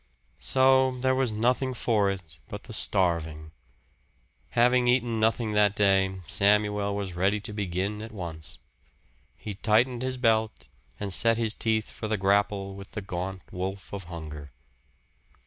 So there was nothing for it but the starving. Having eaten nothing that day, Samuel was ready to begin at once; he tightened his belt and set his teeth for the grapple with the gaunt wolf of hunger.